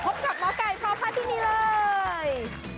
พบกับหมอกัยพร้อมข้าที่นี่เลย